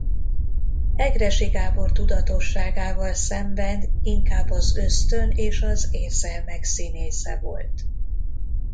Egressy Gábor tudatosságával szemben inkább az ösztön és az érzelmek színésze volt.